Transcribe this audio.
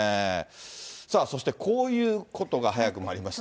さあ、そしてこういうことが早くもありまして。